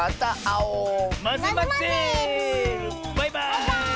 バイバーイ！